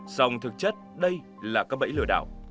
sòng thực chất đây là các bẫy lừa đạo